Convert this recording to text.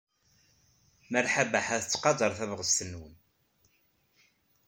Malḥa Baḥa tettqadar tabɣest-nwen.